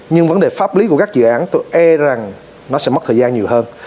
nhưng vấn đề pháp lý của các dự án tôi e rằng nó sẽ mất thời gian nhiều hơn